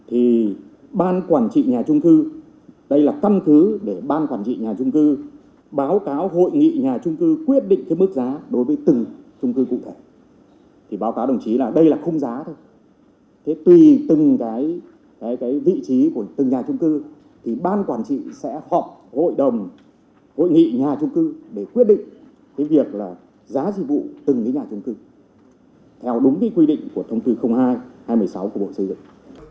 học hội đồng hội nghị nhà trung cư để quyết định cái việc là giá dịch vụ từng cái nhà trung cư theo đúng cái quy định của thông tư hai hai trăm một mươi sáu của bộ xây dựng